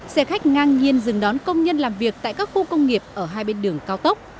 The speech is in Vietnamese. xe khách ngang nhiên dừng đón công nhân làm việc tại các khu công nghiệp ở hai bên đường cao tốc